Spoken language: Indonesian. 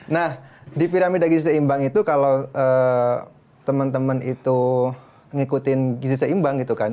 nah di piramida gizi seimbang itu kalau temen temen itu ngikutin gizi seimbang gitu kan